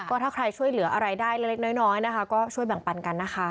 ก็ถ้าใครช่วยเหลืออะไรได้เล็กน้อยนะคะก็ช่วยแบ่งปันกันนะคะ